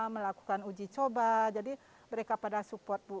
melakukan uji coba jadi mereka pada support bu